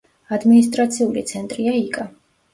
ადმინისტრაციული ცენტრია იკა.